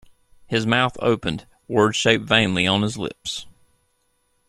His mouth opened; words shaped vainly on his lips.